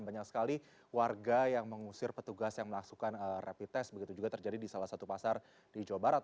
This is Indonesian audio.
banyak sekali warga yang mengusir petugas yang melakukan rapid test begitu juga terjadi di salah satu pasar di jawa barat